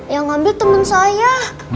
yang ngambil temen saya